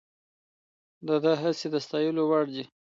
د ده هڅې د ستایلو وړ دي.